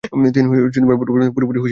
তিনি পুরোপুরি হুঁশেই ছিলেন।